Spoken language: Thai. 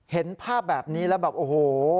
เห็นภาพแบบนี้แล้วแบบโอ้โห